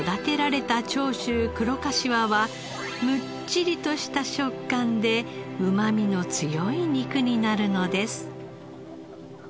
黒かしわはむっちりとした食感でうまみの強い肉になるのです。